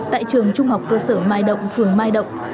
tại trường trung học cơ sở mai động phường mai động